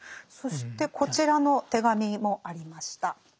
そしてこちらの手紙もありました。